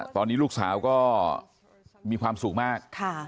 ตอนนี้ลูกสาวก็มีความสุขมาก